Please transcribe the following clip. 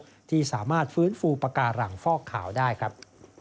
ของโลกที่สามารถฟื้นฟูปากาหลังฟอกข่าวได้ครับ